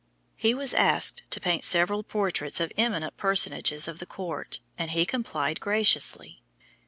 He was asked to paint several portraits of eminent personages of the court and he complied graciously.